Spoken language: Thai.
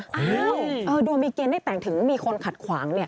อ้าวดวงมีเกณฑ์ได้แต่งถึงมีคนขัดขวาง